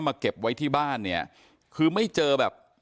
มาเก็บไว้ที่บ้านคือไม่เจอแบบ